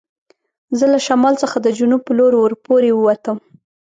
زه له شمال څخه د جنوب په لور ور پورې و وتم.